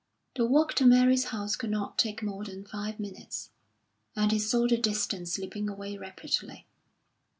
The walk to Mary's house could not take more than five minutes, and he saw the distance slipping away rapidly.